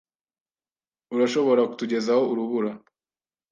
Urashobora kutugezaho urubura?